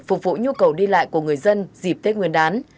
phục vụ nhu cầu đi lại của người dân dịp tết nguyên đán